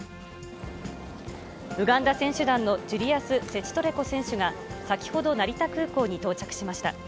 ウガンダ選手団のジュリアス・セチトレコ選手が、先ほど成田空港に到着しました。